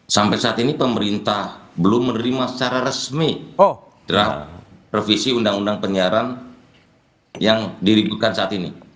sampai saat ini pemerintah belum menerima secara resmi draft revisi undang undang penyiaran yang diributkan saat ini